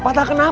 patah kenapa ma